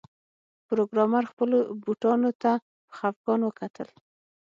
پروګرامر خپلو بوټانو ته په خفګان وکتل